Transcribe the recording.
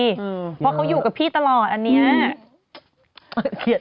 เพราะเขาอยู่กับพี่ตลอดอันนี้